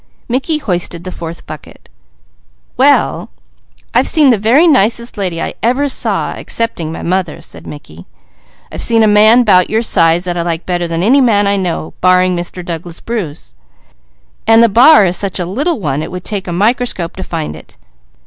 Mickey hoisted the fourth bucket. "Well, I've seen the very nicest lady I ever saw, excepting my mother," said Mickey. "I've seen a man 'bout your size, that I like better than any man I know, barring Mr. Douglas Bruce, and the bar is such a little one it would take a microscope to find it."